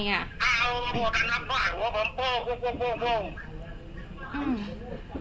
หนะบอกเขาว่ายังไงอ่ะ